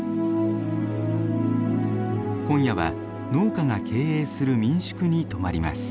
今夜は農家が経営する民宿に泊まります。